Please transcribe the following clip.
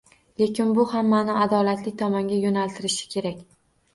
Lekin bu hammani adolatli tomonga yoʻnaltirishi kerak.